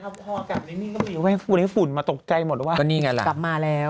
แต่ถ้าพออากาศนิ่งก็ไม่อยู่ไว้ฝุ่นให้ฝุ่นมาตกใจหมดว่ากลับมาแล้ว